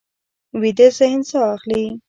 ویده ذهن ساه اخلي